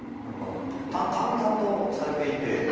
何か淡々とされていて。